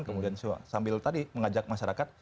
kemudian sambil tadi mengajak masyarakat